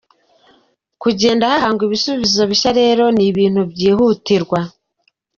Kugenda hahangwa ibisubizo bishya rero ni ibintu byihutirwa.